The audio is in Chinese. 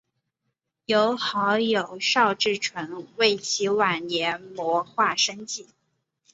由好友邵志纯为其晚年摹划生计。